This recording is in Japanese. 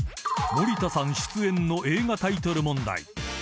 ［森田さん出演の映画タイトル問題］